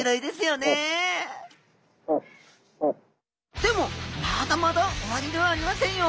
でもまだまだ終わりではありませんよ。